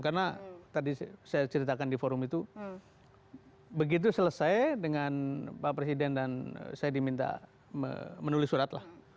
karena tadi saya ceritakan di forum itu begitu selesai dengan pak presiden dan saya diminta menulis surat lah